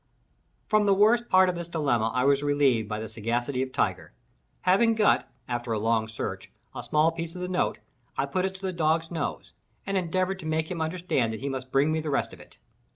From the worst part of this dilemma I was relieved by the sagacity of Tiger. Having got, after a long search, a small piece of the note, I put it to the dog's nose, and endeavored to make him understand that he must bring me the rest of it.